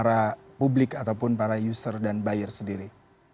atau para user dan buyer sendiri